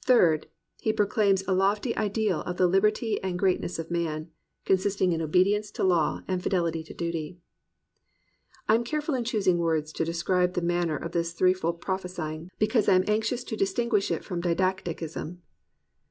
Third, he proclaims a lofty ideal of the liberty and great ness of man, consisting in obedience to law and fidehty to duty. I am careful in choosing words to describe the manner of this threefold prophesying, because I am anxious to distinguish it from didacticism.